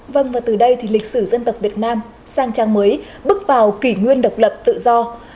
vâng và từ đây thì lịch sử dân tộc việt nam sang trang mới bước vào kỷ nguyên độc lập tự do